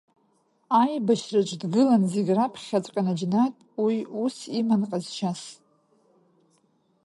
Аибашьраҿ дгылон зегь раԥхьаҵәҟьа, наџьнатә уи ус иман ҟазшьас.